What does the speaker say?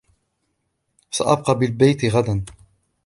سأبقى بالبيت غداً.